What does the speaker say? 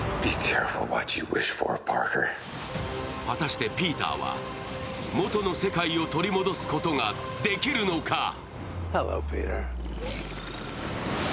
果たしてピーターは元の世界を取り戻すことが出来るのか。